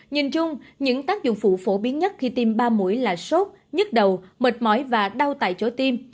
nhìn chung những tác dụng phụ phổ biến nhất khi tiêm ba mũi là sốt nhức đầu mệt mỏi và đau tại chỗ tim